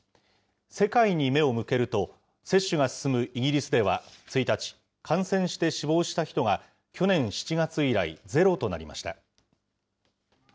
世界に目を向けると、接種が進むイギリスでは１日、感染して死亡した人が去年７月以来、ゼロとなりました。